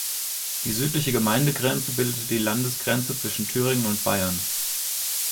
Die südliche Gemeindegrenze bildete die Landesgrenze zwischen Thüringen und Bayern.